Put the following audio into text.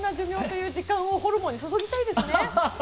貴重な時間をホルモンに注ぎたいですね。